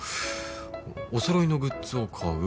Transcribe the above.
「お揃いのグッズを買う」